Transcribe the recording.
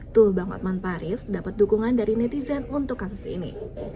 tuh bang otman paris dapat dukungan dari netizen untuk kasus ini